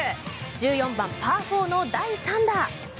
１４番、パー４の第３打。